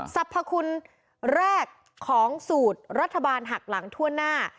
สรรพคุณแรกของสูตรรัฐบาลหักหลังทั่วหน้า